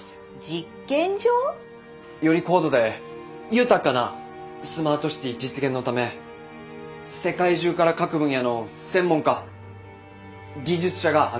実験場？より高度で豊かなスマートシティ実現のため世界中から各分野の専門家技術者が集まって。